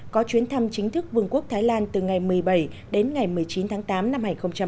có chuyến thăm chính thức vương quốc thái lan từ ngày một mươi bảy đến ngày một mươi chín tháng tám năm hai nghìn một mươi chín